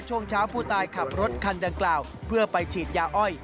ช่วงเช้าผู้ตายขับรถคันดังกล่าวเพื่อไปฉีดยาอ้อย